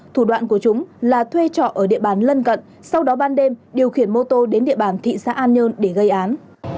thủ đoạn của chúng là thuê trọ ở địa bàn lân cận sau đó ban đêm điều khiển mô tô đến địa bàn thị xã an nhơn để gây án